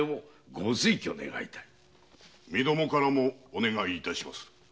身どもからもお願い致します。